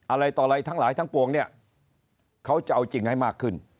อะไรต่ออะไรทั้งหลายทั้งปวงเนี่ยเขาจะเอาจริงให้มากขึ้น